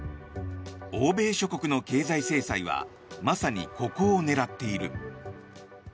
欧米諸国の経済制裁はまさにここを狙っている。